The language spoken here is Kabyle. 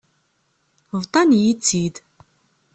Bḍan-iyi-tt-id.